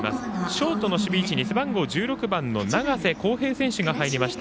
ショートの守備位置に背番号１６番の永瀬滉平選手が入りました。